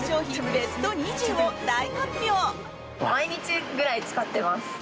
ベスト２０を大発表！